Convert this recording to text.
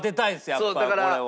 やっぱこれは。